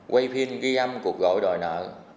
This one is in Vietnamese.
ba quay phim ghi âm cuộc gọi đòi nợ